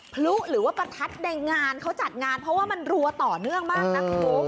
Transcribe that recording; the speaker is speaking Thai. พลุหรือว่าประทัดในงานเขาจัดงานเพราะว่ามันรัวต่อเนื่องมากนะคุณ